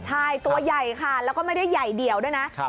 ใช่ตัวใหญ่ค่ะแล้วก็ไม่ได้ใหญ่เดี่ยวด้วยนะ